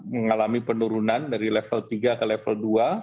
mengalami penurunan dari level tiga ke level dua